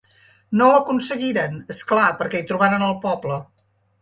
No ho aconseguiren, és clar, perquè hi trobaren el poble.